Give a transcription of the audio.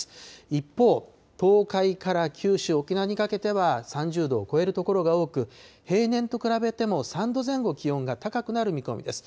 一方、東海から九州、沖縄にかけては３０度を超える所が多く、平年と比べても３度前後気温が高くなる見込みです。